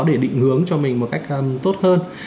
để định hướng cho mình một cách tốt hơn